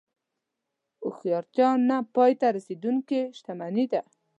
هوښیارتیا نه پای ته رسېدونکې شتمني ده.